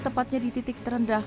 tepatnya di titik terendah